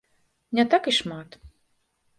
Не так і шмат.